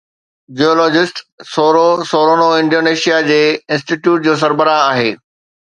geologist سورو سورونو Indonesia جي انسٽيٽيوٽ جو سربراهه آهي